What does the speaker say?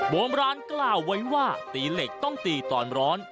โบราณกล่าวไว้ว่าตีเหล็กต้องตีตอนร้อน